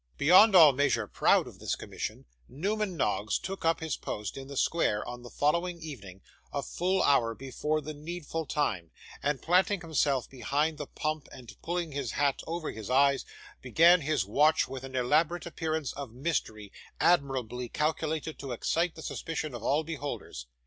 Beyond all measure proud of this commission, Newman Noggs took up his post, in the square, on the following evening, a full hour before the needful time, and planting himself behind the pump and pulling his hat over his eyes, began his watch with an elaborate appearance of mystery, admirably calculated to excite the suspicion of all beholders.